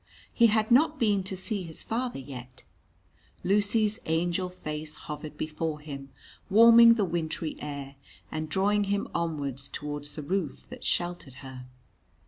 He had not been to see his father yet; Lucy's angel face hovered before him, warming the wintry air, and drawing him onwards towards the roof that sheltered her.